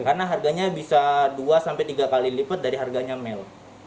karena harganya bisa dua tiga kali lipat dari harganya male